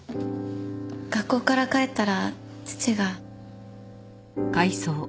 学校から帰ったら父が。